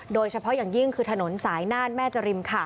โดยเฉพาะอย่างยิ่งคือถนนสายน่านแม่จริม